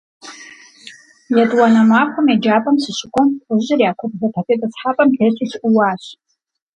ЕтӀуанэ махуэм еджапӏэм сыщыкӀуэм, лӀыжьыр я куэбжэпэ тетӀысхьэпӀэм тесу сыӀууащ.